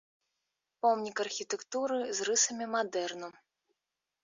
Помнік архітэктуры з рысамі мадэрну.